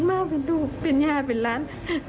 เตือนมาเป็นดูกเป็นหญ้าเป็นร้าน